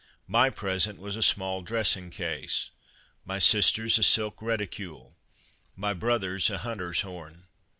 My present was a small dressing case, my sister's a silk reticule, my brother's a hunter's horn.